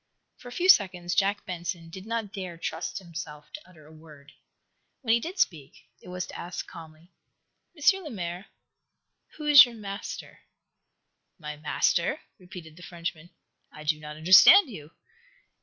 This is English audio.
For a few seconds Jack Benson did not dare trust himself to utter a word. When he did speak, it was to ask, calmly: "M. Lemaire, who is your master?" "My master?" repeated the Frenchman. "I do not understand you."